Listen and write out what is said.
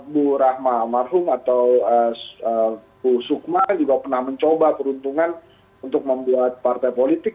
bu rahma marhum atau bu sukma juga pernah mencoba peruntungan untuk membuat partai politik